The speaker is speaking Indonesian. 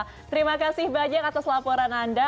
terima kasih banyak atas laporan anda